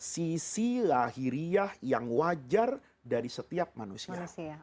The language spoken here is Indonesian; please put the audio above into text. sisi lahiriyah yang wajar dari setiap manusia